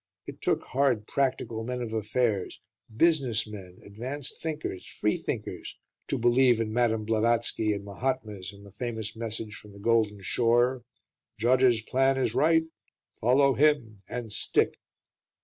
It took hard, practical men of affairs, business men, advanced thinkers, Freethinkers, to believe in Madame Blavatsky and Mahatmas and the famous message from the Golden Shore: "Judge's plan is right; follow him and stick."